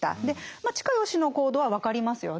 ま親吉の行動は分かりますよね。